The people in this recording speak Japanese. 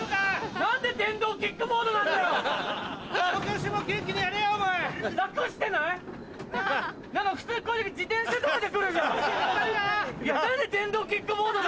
何で電動キックボードなの？